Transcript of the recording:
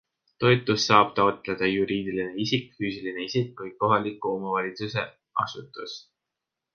Toetust saab taotleda juriidiline isik, füüsiline isik või kohaliku omavalitsuse asutus.